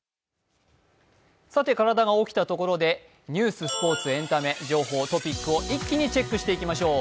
体が起きたところでニュース、スポーツ、エンタメ、情報、トピックを一気にチェックしていきましょう。